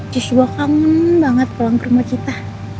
justru aku kangen banget pulang ke rumah kita